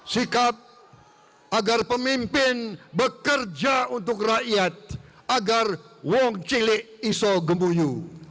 sikap agar pemimpin bekerja untuk rakyat agar wong cilik iso gembuyu